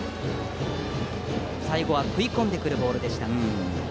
最後は食い込んでくるボール。